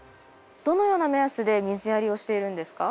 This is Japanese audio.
どのような目安で水やりをしているんですか？